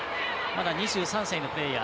２３歳のプレーヤー